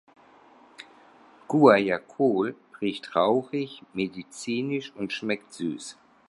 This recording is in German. Guajacol riecht rauchig-medizinisch und schmeckt süß.